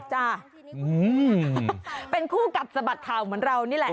จ้ะเป็นคู่กัดสะบัดข่าวเหมือนเรานี่แหละ